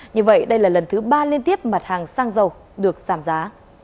như vậy đây là lần thứ ba liên tiếp mặt hàng xăng dầu được giảm giá